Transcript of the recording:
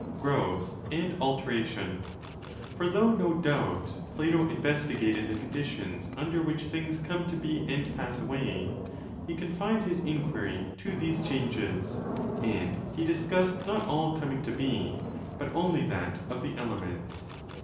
growth and 'alteration'. For though, no doubt, Plato investigated the conditions under which things come to be and pass away, he confined his inquiry to these changes ; 30 and he discussed not*a// coming to be, but only that of the elements.